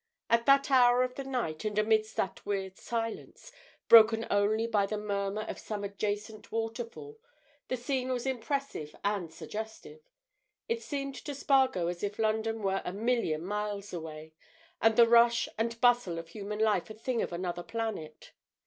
At that hour of the night and amidst that weird silence, broken only by the murmur of some adjacent waterfall the scene was impressive and suggestive; it seemed to Spargo as if London were a million miles away, and the rush and bustle of human life a thing of another planet.